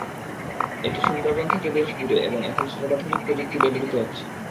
এটি সুন্দরবন থেকে বেশ দূরে এবং এখানে সর্বাধুনিক প্রযুক্তি ব্যবহৃত হচ্ছে।